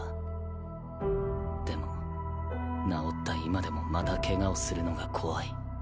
でも治った今でもまた怪我をするのが怖い。